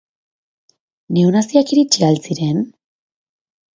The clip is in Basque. Neonaziak iritsi al ziren?